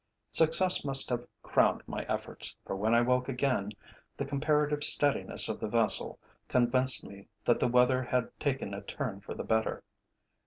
Success must have crowned my efforts, for when I woke again, the comparative steadiness of the vessel convinced me that the weather had taken a turn for the better.